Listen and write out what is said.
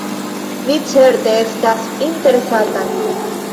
Mi certe estas interesata.